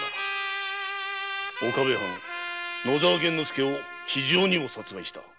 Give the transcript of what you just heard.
岡部藩野沢源之助を非情にも殺害した。